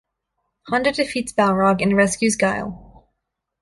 Honda defeats Balrog and rescues Guile.